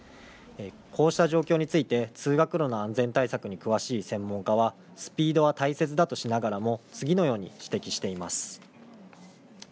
こうした状況について通学路の安全対策に詳しい専門家はスピードは大切だとしながらも次のように指摘しています。